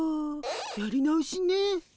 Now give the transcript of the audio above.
やり直しね。